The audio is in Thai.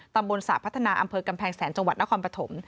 ตำบลสระพัฒนาอำเภอกำแพงแสนจังหวัดนครปฐม